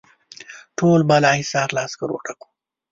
ټول بالاحصار له عسکرو ډک وو.